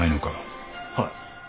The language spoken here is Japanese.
はい。